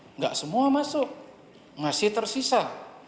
tidak semua masuk masih tersisa